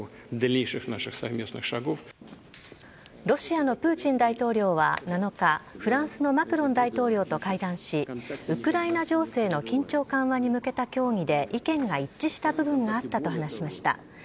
ロシアのプーチン大統領は７日、フランスのマクロン大統領と会談し、ウクライナ情勢の緊張緩和に向けた協議で意見が一致した部分があったと話しました。